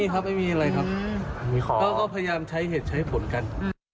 ก็พยายามใช้เหตุใช้ผลกัน